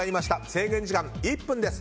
制限時間１分です。